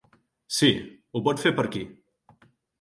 Si, ho pot fer per aquí.